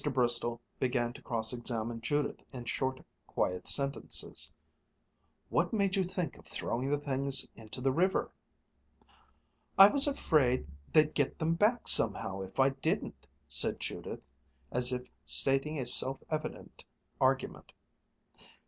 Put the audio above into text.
Bristol began to cross examine Judith in short, quiet sentences. "What made you think of throwing the things into the river?" "I was afraid they'd get them back somehow if I didn't," said Judith, as if stating a self evident argument.